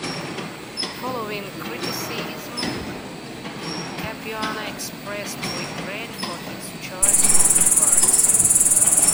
Following criticism, Capuano expressed regret for his choice of words.